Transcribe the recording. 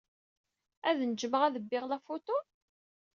Ad nejjmeɣ ad bbiɣ la photo?